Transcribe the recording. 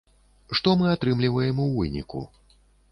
Што мы атрымліваем у выніку?